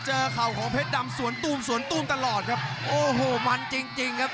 เข่าของเพชรดำสวนตูมสวนตูมตลอดครับโอ้โหมันจริงจริงครับ